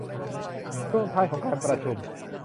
ช่วงท้ายของการประชุม